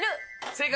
正解。